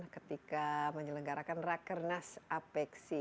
ketika menyelenggarakan rakernas apexi